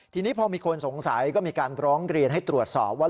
ทีนี้พอมีคนสงสัยก็มีการร้องเรียนให้ตรวจสอบว่า